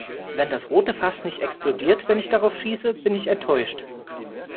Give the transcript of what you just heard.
Wenn das rote Fass nicht explodiert, wenn ich darauf schieße, bin ich enttäuscht.